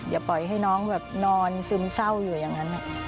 อย่าปล่อยให้น้องแบบนอนซึมเศร้าอยู่อย่างนั้น